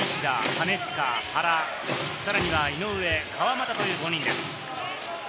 金近、原、さらには井上、川真田という５人です。